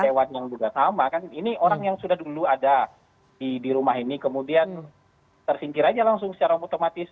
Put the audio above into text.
hewan yang juga sama kan ini orang yang sudah dulu ada di rumah ini kemudian tersingkir aja langsung secara otomatis